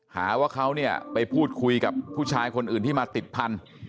หาว่าเขาเนี่ยไปพูดคุยกับผู้ชายคนอื่นที่มาติดพันธุ์